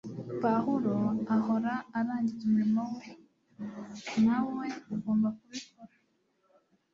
Pawulo ahora arangiza umurimo we - nawe ugomba kubikora